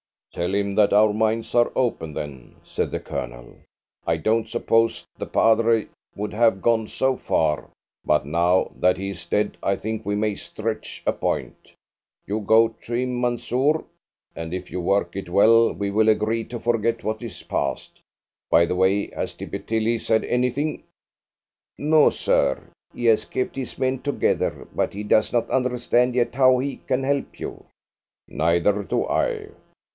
"Tell him that our minds are open, then," said the Colonel. "I don't suppose the padre would have gone so far, but now that he is dead I think we may stretch a point. You go to him, Mansoor, and if you work it well we will agree to forget what is past. By the way, has Tippy Tilly said anything?" "No, sir. He has kept his men together, but he does not understand yet how he can help you." "Neither do I.